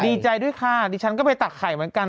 ดีใจด้วยค่ะดิฉันก็ไปตักไข่เหมือนกัน